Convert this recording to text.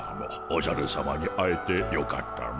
おじゃるさまに会えてよかったモ。